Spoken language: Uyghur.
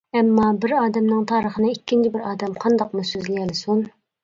ئەمما، بىر ئادەمنىڭ تارىخىنى ئىككىنچى بىر ئادەم قانداقمۇ سۆزلىيەلىسۇن.